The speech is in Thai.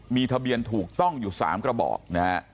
มีทะเบียนถูกต้องอยู่๓กระบอกนะฮะ